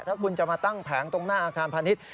ถ้าคุณจะมาตั้งแผงตรงหน้าอาคารพาณิชย์